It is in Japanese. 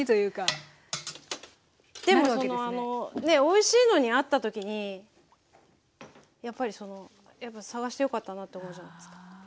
おいしいのに会った時にやっぱりその探してよかったなと思うじゃないですか。